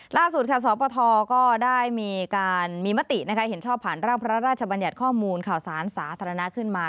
ล่าสุดค่ะสปทก็ได้มีการมีมติเห็นชอบผ่านร่างพระราชบัญญัติข้อมูลข่าวสารสาธารณะขึ้นมา